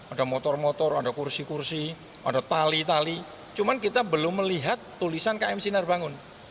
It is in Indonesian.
ada motor motor ada kursi kursi ada tali tali cuma kita belum melihat tulisan km sinar bangun